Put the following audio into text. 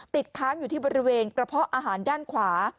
ติดค้างอยู่ที่บริเวณกระเพาะอาหารด้านขวา